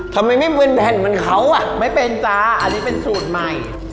ทำไมไม่เป็นแผ่นเหมือนเขาอ่ะไม่เป็นจ้าอันนี้เป็นสูตรใหม่